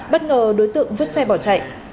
bất ngờ đối tượng vứt xe bỏ chạy